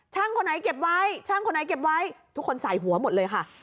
คนไหนเก็บไว้ช่างคนไหนเก็บไว้ทุกคนใส่หัวหมดเลยค่ะ